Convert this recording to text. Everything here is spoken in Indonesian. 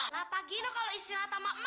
lah pagi loh kalau istirahat sama emak